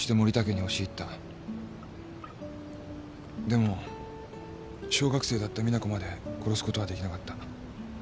でも小学生だった実那子まで殺すことはできなかった。